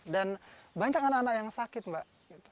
dan banyak anak anak yang sakit mbak